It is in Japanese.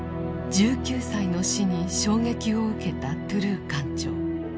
１９歳の死に衝撃を受けたトゥルー艦長。